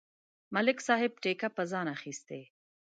ملک صاحب ټېکه په ځان اخستې.